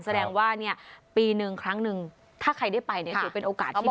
แสดงว่าปีนึงครั้งนึงถ้าใครได้ไปจะเป็นโอกาสที่ดีเลย